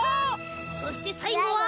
そしてさいごは。